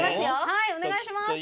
はいお願いします。